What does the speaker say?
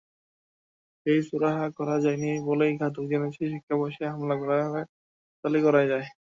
সেই সুরাহা করা যায়নি বলেই ঘাতক জেনেছে শিক্ষকবাসে হামলা তাহলে করাই যায়।